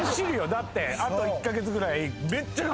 だってあと１カ月ぐらいめっちゃ。